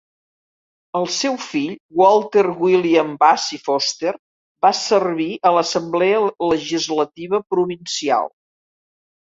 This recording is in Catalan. El seu fill, Walter William Vassie Foster, va servir a l'assemblea Legislativa provincial.